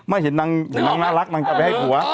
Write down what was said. ไม่เห็นนางน่ารักนางจะไปให้ผัว